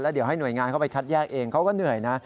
เดี๋ยวให้หน่วยงานเข้าไปคัดแยกเองเขาก็เหนื่อยนะ